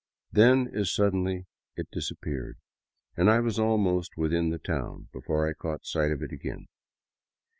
Then, as suddenly, it disappeared, and I was almost within the town before I caught sight of it again.